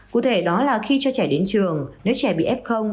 cụ thể đó là khi cho trẻ đến trường nếu trẻ bị ép không